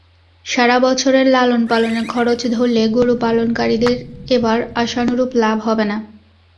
সারা বছরের লালনপালনের খরচ ধরলে গরু পালনকারীদের এবার আশানুরূপ লাভ হবে না।